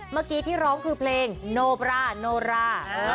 เมื่อกี้ที่ร้องคือเพลงโนบราโนรา